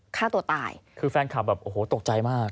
ฆ่าตัวตายคือแฟนคลับแบบโอ้โหตกใจมาก